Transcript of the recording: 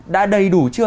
đã đầy đủ chưa